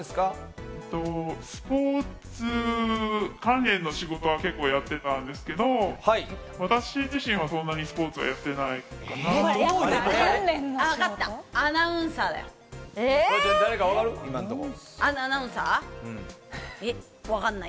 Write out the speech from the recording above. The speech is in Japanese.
スポーツ関連の仕事は結構やってたんですけど、私自身は、そんなにスポーツはやっていないのかな。